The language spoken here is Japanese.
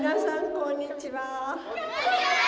こんにちは！